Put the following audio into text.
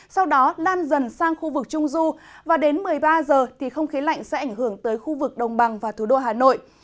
sau đó lan dần sang khu vực trung du và đến một mươi ba giờ thì không khí lạnh sẽ ảnh hưởng tới khu vực đồng bằng và thủ đô hà nội